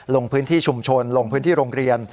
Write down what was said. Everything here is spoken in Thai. ลงพื้นที่ชุมชนลงพื้นที่โรงเรียน